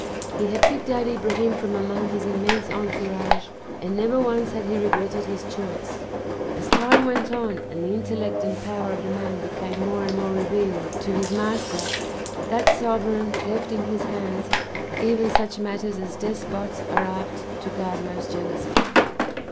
He had picked out Ibrahim from among his immense entourage, and never once had he regretted his choice. As time went on and the intellect and power of the man became more and more revealed to his master, that sovereign left in his hands even such matters as despots are apt to guard most jealously.